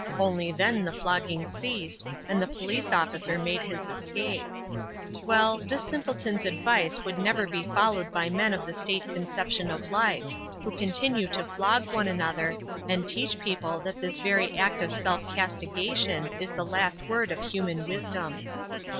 Only then the fogging ceased, and the police officer made his escape. Well, this simpleton's advice would never be followed by men of the state conception of life, who continue to flog one another, and teach people that this very act of self castigation is the last word of human wisdom.